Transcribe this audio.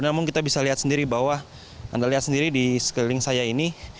namun kita bisa lihat sendiri bahwa anda lihat sendiri di sekeliling saya ini